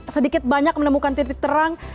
sedikit banyak menemukan titik terang